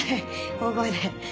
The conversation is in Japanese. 大声で。